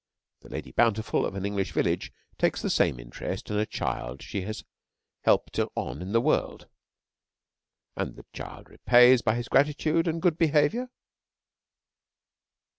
The Lady Bountiful of an English village takes the same interest in a child she has helped on in the world. And the child repays by his gratitude and good behaviour?